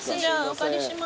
お借りします。